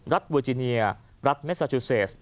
รัฐวิจิเนียระรัฐเมซาจูเซ็ส